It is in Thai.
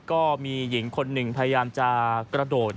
ก็มีหญิงคนหนึ่งพยายามจะกระโดด